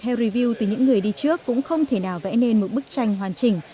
hay review từ những người đi trước cũng không thể nào vẽ nên một bức tranh hoàn chỉnh